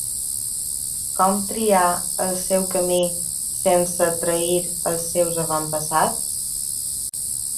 Com triar el seu camí sense trair als seus avantpassats?